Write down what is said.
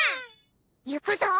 ゆくぞ！